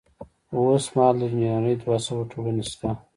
اوس مهال د انجنیری دوه سوه ټولنې شته.